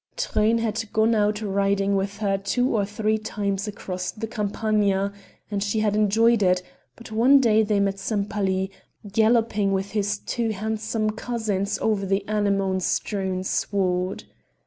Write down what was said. Truyn had gone out riding with her two or three times across the Campagna, and she had enjoyed it; but one day they met Sempaly, galloping with his two handsome cousins over the anemone strewn sward.